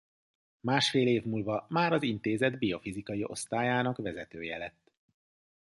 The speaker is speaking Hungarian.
Másfél év múlva már az intézet biofizikai osztályának vezetője lett.